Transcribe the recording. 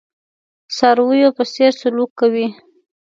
څارویو په څېر سلوک کوي.